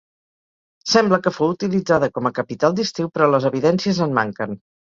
Sembla que fou utilitzada com a capital d'estiu, però les evidencies en manquen.